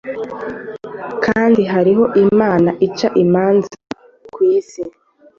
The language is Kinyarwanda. kandi hariho imana ica imanza ku isi